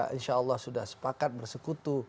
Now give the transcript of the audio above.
insya allah sudah sepakat bersekutu